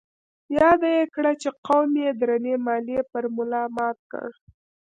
ياده يې کړه چې قوم يې درنې ماليې پر ملا مات کړ.